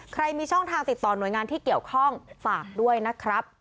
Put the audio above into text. มีช่องทางติดต่อหน่วยงานที่เกี่ยวข้องฝากด้วยนะครับ